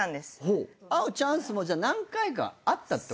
会うチャンスもじゃあ何回かあったってこと？